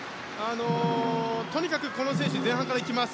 とにかくこの選手前半からいきます。